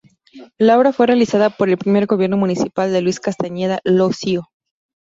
La obra fue realizada por el primer gobierno municipal de Luis Castañeda Lossio.